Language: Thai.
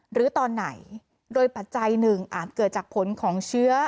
หรือตอนไหนโดยปัจจัยหนึ่งอาจเกิดจากผลของเชื้อ